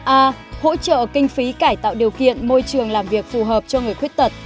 a hỗ trợ kinh phí cải tạo điều kiện môi trường làm việc phù hợp cho người khuyết tật